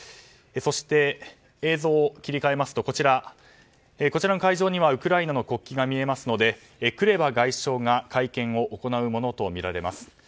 そして映像を切り替えますとこちらの会場にはウクライナの国旗が見えますのでクレバ外相が会見を行うものとみられます。